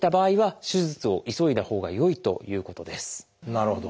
なるほど。